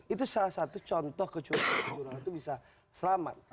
itu salah satu contoh kecurangan kecurangan itu bisa selamat